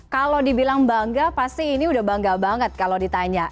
kalau dibilang bangga pasti ini udah bangga banget kalau ditanya